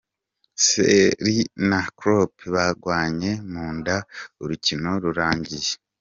Sarri na Klopp bagwanye mu nda urukino rurangiye.